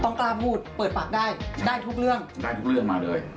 กล้าพูดเปิดปากได้ได้ทุกเรื่องได้ทุกเรื่องมาเลย